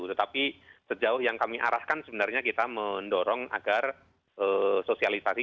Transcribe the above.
tetapi sejauh yang kami arahkan sebenarnya kita mendorong agar sosialisasi